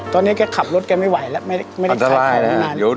ตอนนี้แกขับรถแกไม่ไหวแล้วไม่ได้ถ่ายนานนะครับอันทรายนะ